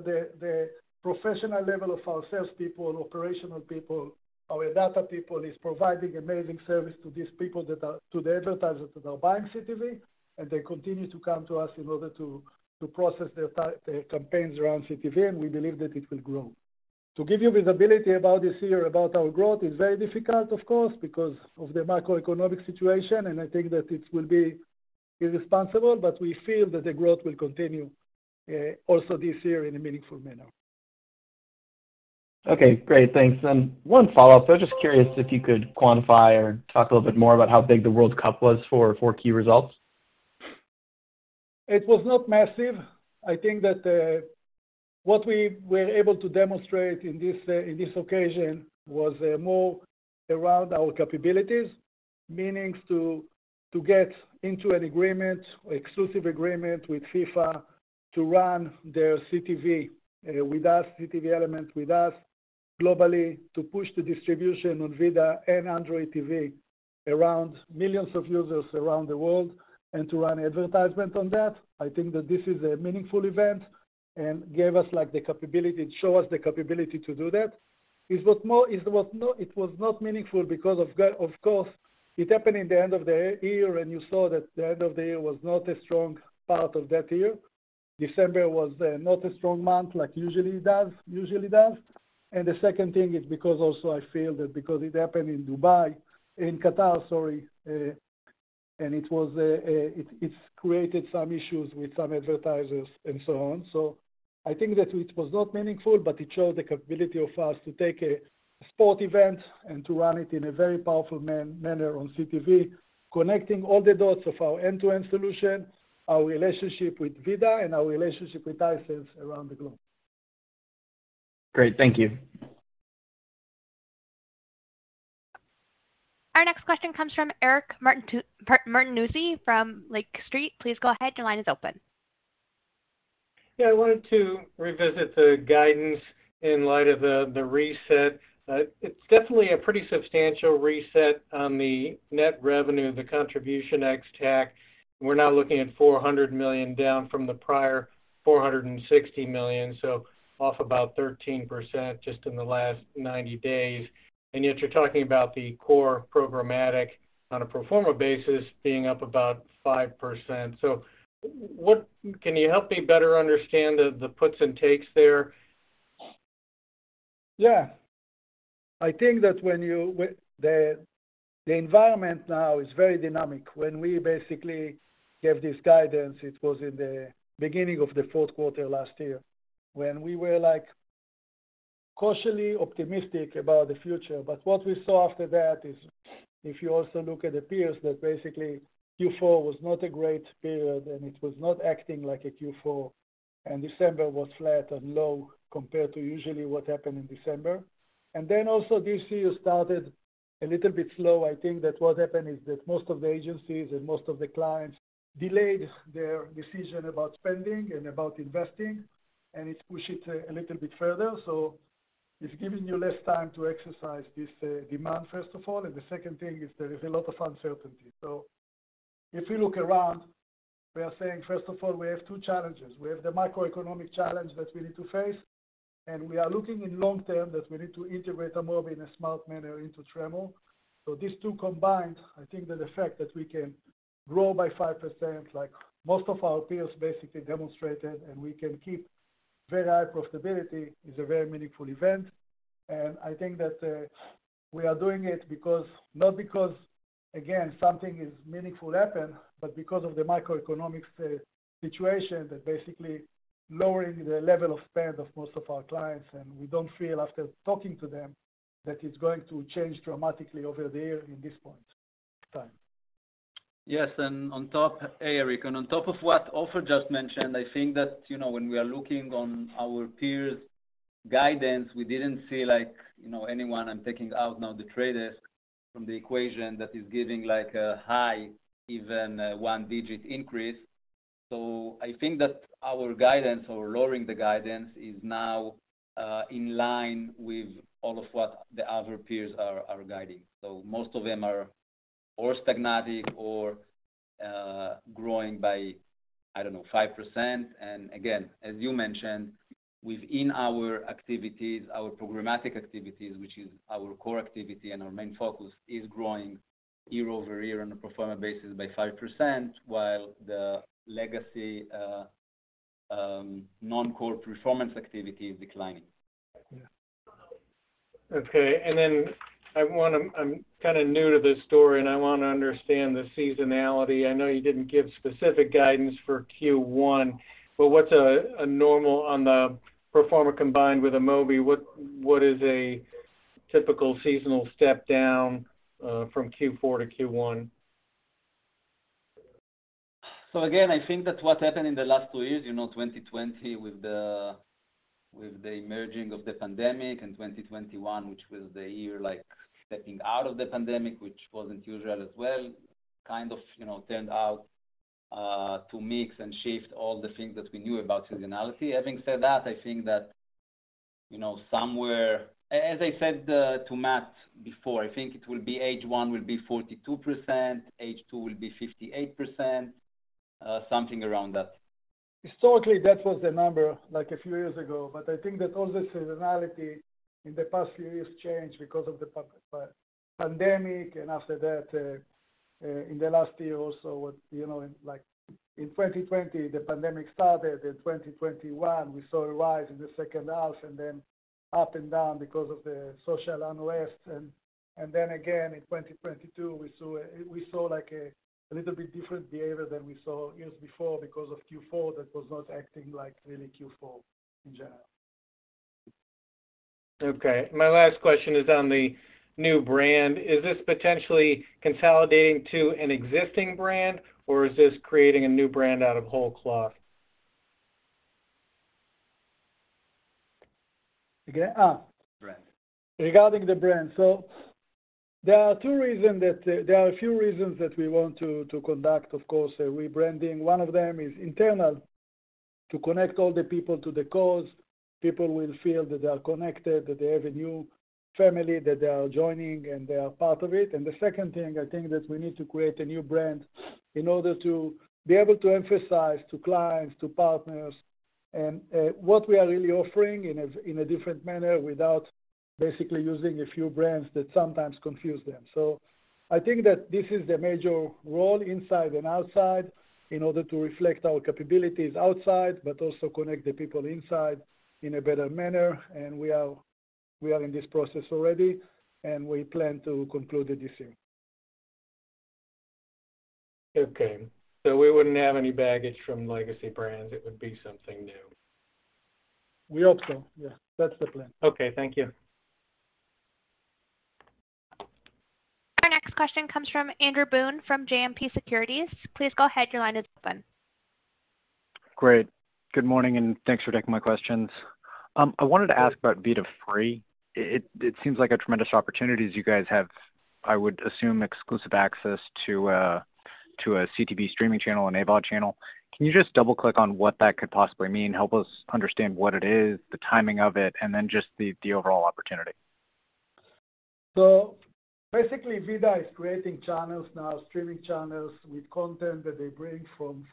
the professional level of our salespeople, operational people, our data people is providing amazing service to the advertisers that are buying CTV, and they continue to come to us in order to process their campaigns around CTV, and we believe that it will grow. To give you visibility about this year, about our growth is very difficult, of course, because of the macroeconomic situation. I think that it will be irresponsible. We feel that the growth will continue also this year in a meaningful manner. Okay, great. Thanks. One follow-up. I was just curious if you could quantify or talk a little bit more about how big the World Cup was for key results? It was not massive. I think that what we were able to demonstrate in this occasion was more around our capabilities, meanings to get into an agreement, exclusive agreement with FIFA to run their CTV with us, CTV element with us globally, to push the distribution on VIDAA and Android TV around millions of users around the world and to run advertisement on that. I think that this is a meaningful event and gave us like, the capability, it show us the capability to do that. It was more, it was not meaningful because of course, it happened in the end of the year, and you saw that the end of the year was not a strong part of that year. December was not a strong month like usually it does, usually it does. The second thing is because also I feel that because it happened in Dubai, in Qatar, sorry, and it created some issues with some advertisers and so on. I think that it was not meaningful, but it showed the capability of us to take a sport event and to run it in a very powerful manner on CTV, connecting all the dots of our end-to-end solution, our relationship with VIDAA, and our relationship with ourselves around the globe. Great. Thank you. Our next question comes from Eric Martinuzzi from Lake Street. Please go ahead. Your line is open. Yeah. I wanted to revisit the guidance in light of the reset. It's definitely a pretty substantial reset on the net revenue, the Contribution ex-TAC. We're now looking at $400 million down from the prior $460 million, so off about 13% just in the last 90 days. You're talking about the core programmatic on a pro forma basis being up about 5%. Can you help me better understand the puts and takes there? Yeah. I think that when with the environment now is very dynamic. When we basically gave this guidance, it was in the beginning of the fourth quarter last year when we were like cautiously optimistic about the future. What we saw after that is, if you also look at the peers, that basically Q4 was not a great period, and it was not acting like a Q4, and December was flat and low compared to usually what happened in December. Also this year started a little bit slow. I think that what happened is that most of the agencies and most of the clients delayed their decision about spending and about investing, and it push it a little bit further. It's giving you less time to exercise this demand, first of all. The second thing is there is a lot of uncertainty. If you look around, we are saying, first of all, we have two challenges. We have the macroeconomic challenge that we need to face, and we are looking in long-term that we need to integrate Amobee in a smart manner into Tremor. These two combined, I think that the fact that we can grow by 5%, like most of our peers basically demonstrated, and we can keep very high profitability, is a very meaningful event. I think that we are doing it because, not because, again, something is meaningful happen, but because of the microeconomics situation that basically lowering the level of spend of most of our clients, and we don't feel after talking to them that is going to change dramatically over the year in this time. Yes. Hey, Eric. On top of what Ofer just mentioned, I think that when we are looking on our peers' guidance, we didn't see like, you know, anyone, I'm taking out now The Trade Desk from the equation, that is giving like a high even, one-digit increase. I think that our guidance or lowering the guidance is now in line with all of what the other peers are guiding. Most of them are or stagnating or growing by, I don't know, 5%. Again, as you mentioned, within our activities, our programmatic activities, which is our core activity and our main focus, is growing year-over-year on a pro forma basis by 5%, while the legacy non-core performance activity is declining. Yeah. Okay. I'm kinda new to this story, and I wanna understand the seasonality. I know you didn't give specific guidance for Q1, but what's a normal on the pro forma combined with Amobee, what is a typical seasonal step-down from Q4 to Q1? Again, I think that what happened in the last two years, 2020 with the emerging of the pandemic, and 2021, which was the year like stepping out of the pandemic, which wasn't usual as well, kind of, you know, turned out to mix and shift all the things that we knew about seasonality. Having said that, I think that, you know, as I said to Matt before, I think it will be H1 will be 42%, H2 will be 58%, something around that. Historically, that was the number like a few years ago. I think that all the seasonality in the past few years changed because of the pandemic, after that, in the last year also with, you know, like, in 2020, the pandemic started. In 2021, we saw a rise in the second half, then up and down because of the social unrest. Then again in 2022, we saw like a little bit different behavior than we saw years before because of Q4 that was not acting like really Q4 in general. Okay. My last question is on the new brand. Is this potentially consolidating to an existing brand, or is this creating a new brand out of whole cloth? Again? Brand. Regarding the brand. There are two reason that, there are a few reasons that we want to conduct, of course, a rebranding. One of them is internal, to connect all the people to the cause. People will feel that they are connected, that they have a new family that they are joining, and they are part of it. The second thing, I think that we need to create a new brand in order to be able to emphasize to clients, to partners, what we are really offering in a different manner without basically using a few brands that sometimes confuse them. I think that this is the major role inside and outside in order to reflect our capabilities outside, but also connect the people inside in a better manner. We are in this process already, and we plan to conclude it this year. Okay. We wouldn't have any baggage from legacy brands. It would be something new. We hope so. Yeah, that's the plan. Okay. Thank you. Our next question comes from Andrew Boone from JMP Securities. Please go ahead, your line is open. Great. Good morning, and thanks for taking my questions. I wanted to ask about VIDAA Free. It seems like a tremendous opportunity as you guys have, I would assume, exclusive access to a CTV streaming channel, an AVOD channel. Can you just double-click on what that could possibly mean? Help us understand what it is, the timing of it, and then just the overall opportunity. Basically, VIDAA is creating channels now, streaming channels with content that they bring from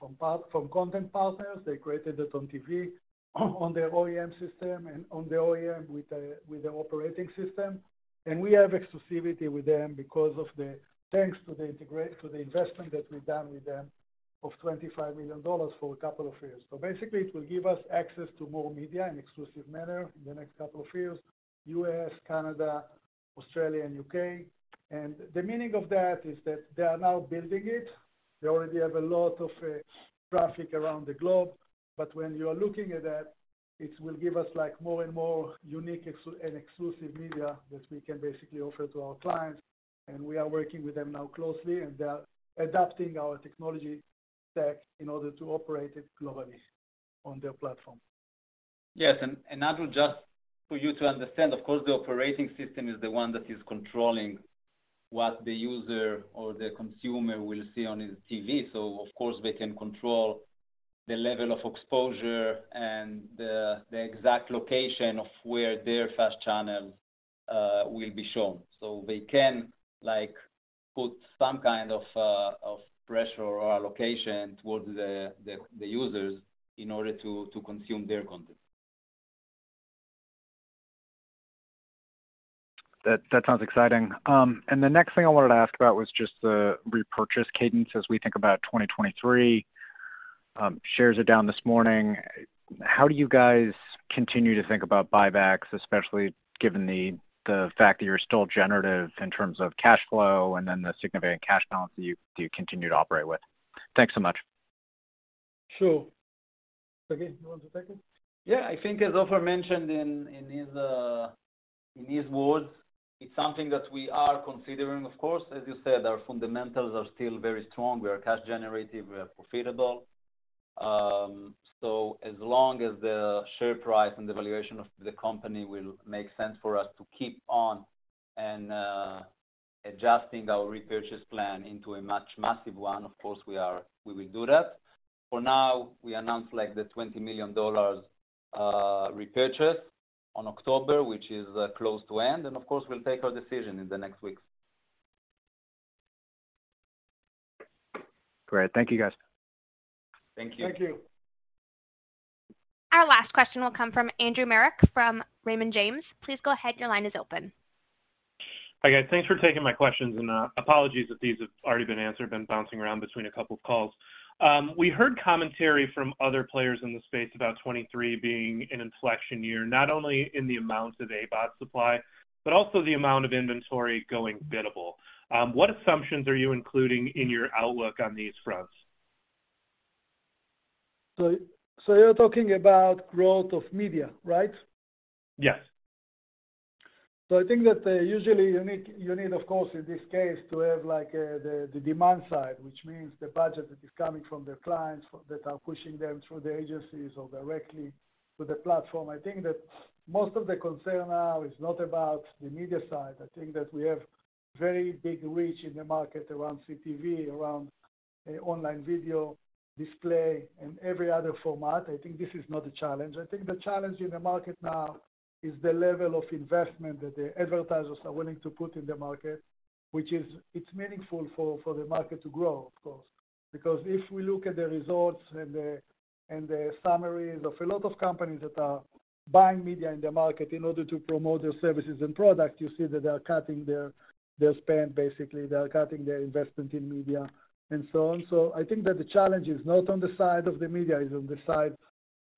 content partners. They created it on TV on their OEM system and on the OEM with the operating system. We have exclusivity with them because of the thanks to the investment that we've done with them of $25 million for a couple of years. Basically, it will give us access to more media in exclusive manner in the next couple of years, U.S., Canada, Australia, and U.K. The meaning of that is that they are now building it. They already have a lot of traffic around the globe. When you are looking at that, it will give us, like, more and more unique and exclusive media that we can basically offer to our clients. We are working with them now closely, and they are adapting our technology stack in order to operate it globally on their platform. Yes. Andrew, just for you to understand, of course, the operating system is the one that is controlling what the user or the consumer will see on his TV. Of course, they can control the level of exposure and the exact location of where their fast channel will be shown. They can, like, put some kind of pressure or allocation towards the users in order to consume their content. That sounds exciting. The next thing I wanted to ask about was just the repurchase cadence as we think about 2023. Shares are down this morning. How do you guys continue to think about buybacks, especially given the fact that you're still generative in terms of cash flow and then the significant cash balance that you continue to operate with? Thanks so much. Sure. Sagi, you want to take it? Yeah, I think as Ofer mentioned in his words, it's something that we are considering, of course. As you said, our fundamentals are still very strong. We are cash generative, we are profitable. As long as the share price and the valuation of the company will make sense for us to keep on and adjusting our repurchase plan into a much massive one, of course, we will do that. For now, we announce like the $20 million repurchase on October, which is close to end. Of course, we'll take our decision in the next weeks. Great. Thank you, guys. Thank you. Thank you. Our last question will come from Andrew Marok from Raymond James. Please go ahead. Your line is open. Hi, guys. Thanks for taking my questions and apologies if these have already been answered. Been bouncing around between a couple of calls. We heard commentary from other players in the space about 23 being an inflection year, not only in the amount of AVOD supply, but also the amount of inventory going biddable. What assumptions are you including in your outlook on these fronts? You're talking about growth of media, right? Yes. I think that usually you need, of course, in this case to have like the demand side, which means the budget that is coming from the clients that are pushing them through the agencies or directly to the platform. I think that most of the concern now is not about the media side. I think that we have very big reach in the market around CTV, around online video display and every other format. I think this is not a challenge. I think the challenge in the market now is the level of investment that the advertisers are willing to put in the market, which is it's meaningful for the market to grow, of course. If we look at the results and the summaries of a lot of companies that are buying media in the market in order to promote their services and products, you see that they are cutting their spend. Basically, they are cutting their investment in media and so on. I think that the challenge is not on the side of the media, is on the side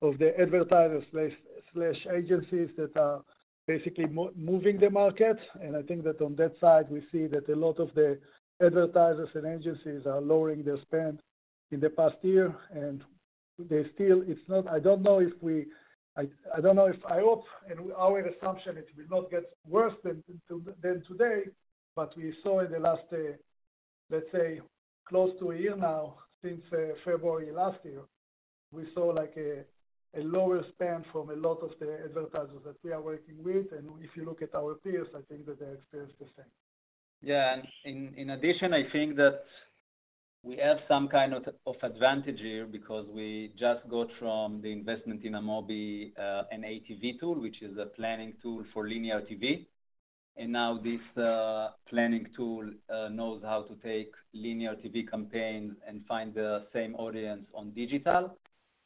of the advertisers, slash agencies that are basically moving the market. I think that on that side, we see that a lot of the advertisers and agencies are lowering their spend in the past year. I hope and our assumption it will not get worse than today, but we saw in the last, let's say close to a year now, since February last year, we saw like a lower spend from a lot of the advertisers that we are working with. If you look at our peers, I think that they experience the same. Yeah. In addition, I think that we have some kind of advantage here because we just got from the investment in Amobee, an ATV tool, which is a planning tool for linear TV. Now this planning tool knows how to take linear TV campaigns and find the same audience on digital.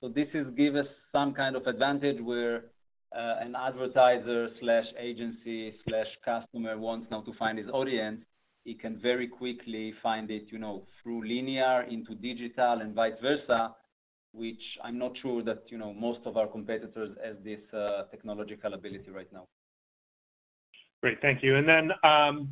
This is give us some kind of advantage where an advertiser/agency/customer wants now to find his audience. He can very quickly find it through linear into digital and vice versa, which I'm not sure that, you know, most of our competitors have this technological ability right now. Great. Thank you. Then,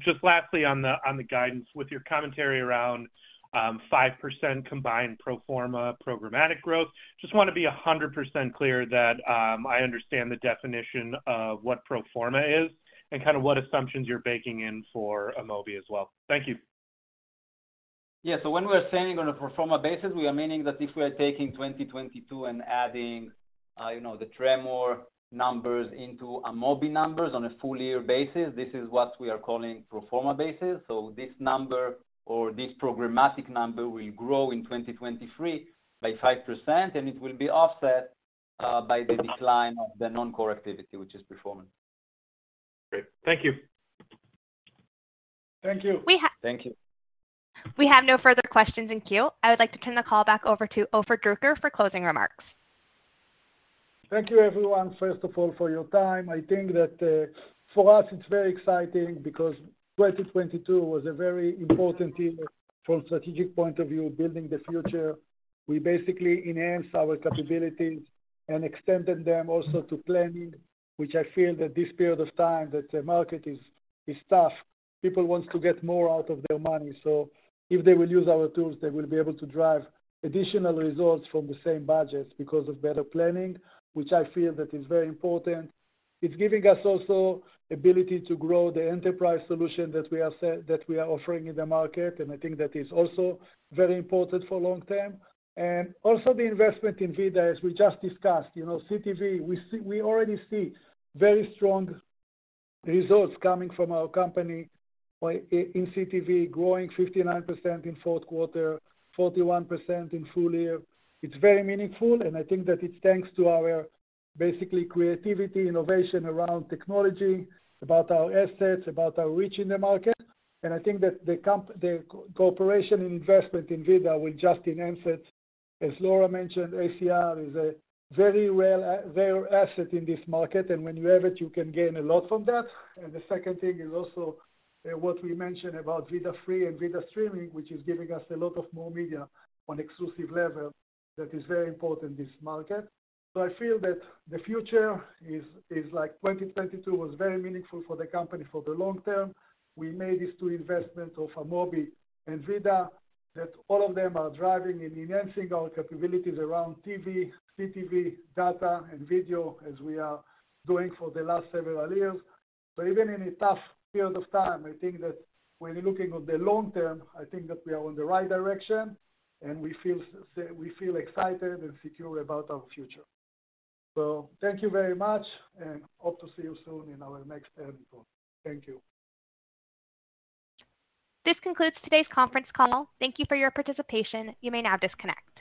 just lastly on the guidance with your commentary around 5% combined pro forma programmatic growth, just wanna be 100% clear that I understand the definition of what pro forma is and kind of what assumptions you're baking in for Amobee as well. Thank you. Yeah. When we are saying on a pro forma basis, we are meaning that if we are taking 2022 and adding the Tremor numbers into Amobee numbers on a full year basis, this is what we are calling pro forma basis. This number or this programmatic number will grow in 2023 by 5%, and it will be offset by the decline of the non-core activity, which is pro forma. Great. Thank you. Thank you. Thank you. We have no further questions in queue. I would like to turn the call back over to Ofer Druker for closing remarks. Thank you, everyone, first of all, for your time. I think that for us it's very exciting because 2022 was a very important year from strategic point of view, building the future. We basically enhanced our capabilities and extended them also to planning, which I feel that this period of time that the market is tough. People want to get more out of their money, so if they will use our tools, they will be able to drive additional results from the same budgets because of better planning, which I feel that is very important. It's giving us also ability to grow the enterprise solution that we are offering in the market, and I think that is also very important for long term. Also the investment in VIDAA, as we just discussed. You know, CTV, we already see very strong results coming from our company in CTV growing 59% in Q4, 41% in full year. It's very meaningful, and I think that it's thanks to our basically creativity, innovation around technology, about our assets, about our reach in the market. I think that the cooperation and investment in VIDAA will just enhance it. As Laura mentioned, ACR is a very well, rare asset in this market, and when you have it, you can gain a lot from that. The second thing is also what we mentioned about VIDAA Free and VIDAA Streaming, which is giving us a lot of more media on exclusive level that is very important in this market. I feel that the future is like 2022 was very meaningful for the company for the long term. We made these two investments of Amobee and VIDAA that all of them are driving and enhancing our capabilities around TV, CTV, data and video as we are doing for the last several years. Even in a tough period of time, I think that when you're looking on the long term, I think that we are on the right direction and we feel excited and secure about our future. Thank you very much and hope to see you soon in our next earnings call. Thank you. This concludes today's conference call. Thank Thank you for your participation. You may now disconnect.